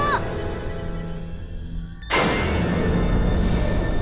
aduh itu sebarang